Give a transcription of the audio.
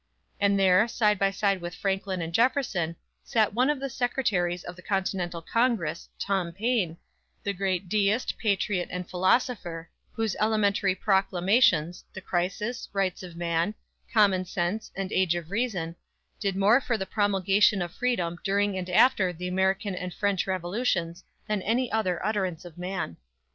And there, side by side with Franklin and Jefferson, sat one of the Secretaries of the Continental Congress, TOM PAINE, the great deist, patriot and philosopher; whose elementary proclamations, "The Crisis," "Rights of Man," "Common Sense," and "Age of Reason," did more for the promulgation of freedom during and after the American and French revolutions than any other utterance of man.